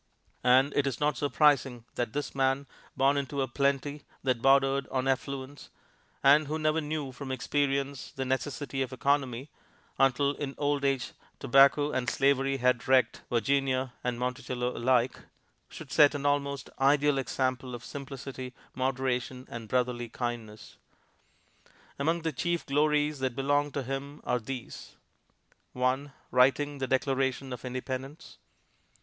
And it is not surprising that this man, born into a plenty that bordered on affluence, and who never knew from experience the necessity of economy (until in old age tobacco and slavery had wrecked Virginia and Monticello alike), should set an almost ideal example of simplicity, moderation and brotherly kindness. Among the chief glories that belong to him are these: 1. Writing the Declaration of Independence.